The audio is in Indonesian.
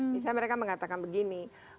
misalnya mereka mengatakan begini